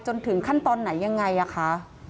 จนถึงขั้นตอนไหนยังไงอ่ะคะ